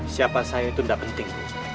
siapa saya itu tidak penting